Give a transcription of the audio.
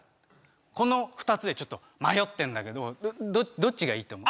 この２つでちょっと迷ってるんだけどどっちがいいと思う？